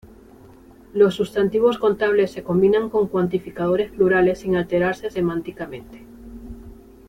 Los sustantivos contables se combinan con cuantificadores plurales sin alterarse semánticamente.